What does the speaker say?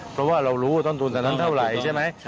เพราะว่าเรารู้ต้นทุนต่างเท่าไหร่ใช่ไหม